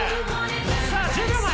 さあ１０秒前。